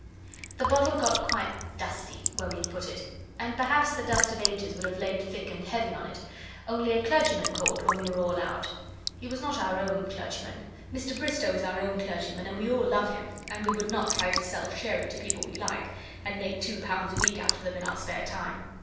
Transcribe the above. The bottle got quite dusty where we had put it, and perhaps the dust of ages would have laid thick and heavy on it, only a clergyman called when we were all out. He was not our own clergyman Mr Bristow is our own clergyman, and we all love him, and we would not try to sell sherry to people we like, and make two pounds a week out of them in our spare time.